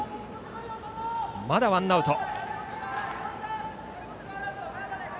まだワンアウト。